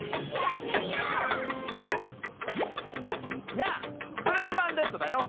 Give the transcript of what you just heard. やあストレッチマンレッドだよ！